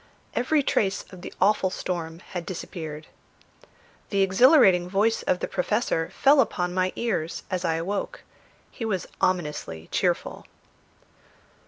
Every trace of the awful storm had disappeared. The exhilarating voice of the Professor fell upon my ears as I awoke; he was ominously cheerful.